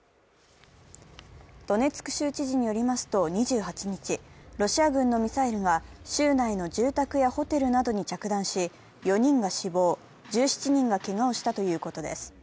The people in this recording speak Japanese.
ドネツク州知事によりますと、２８日ロシア軍のミサイルが州内の住宅やホテルなどに着弾し４人が死亡、１７人がけがをしたということです。